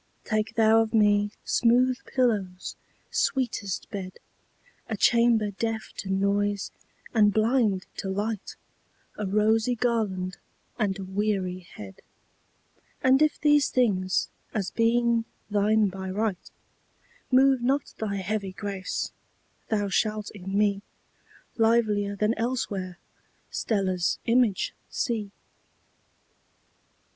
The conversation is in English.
Take thou of me smooth pillows, sweetest bed,A chamber deaf to noise and blind to light,A rosy garland and a weary head:And if these things, as being thine by right, Move not thy heavy grace, thou shalt in me, Livelier than elsewhere, Stella's image see.